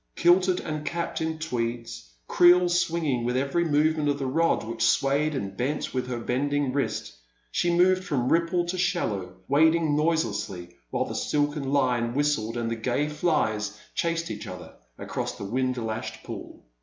Kilted and capped in tweeds, creel swinging with every movement of the rod which swayed and bent with her bending wrist, she moved from ripple to shallow, wading noise lessly while the silken line whistled and the gay flies chased each other across the wind lashed pool.